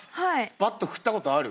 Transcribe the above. バット振ったことある？